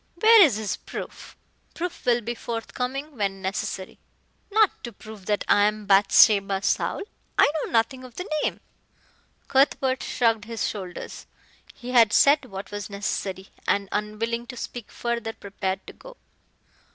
"Where is his proof?" "Proof will be forthcoming when necessary." "Not to prove that I am Bathsheba Saul. I know nothing of the name." Cuthbert shrugged his shoulders. He had said what was necessary and, unwilling to speak further, prepared to go.